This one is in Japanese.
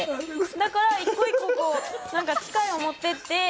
だから一個一個こう何か機械を持ってって。